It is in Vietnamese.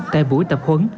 tại buổi tập huấn